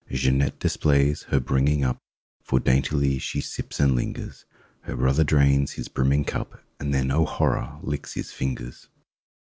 Jeanette displays her bringing up. For daintily she sips and lingers. Her brother drains his brimming cup. And then—oh, horror!—licks his fingers!